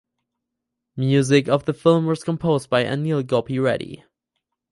Music of the film was composed by Anil Gopi Reddy.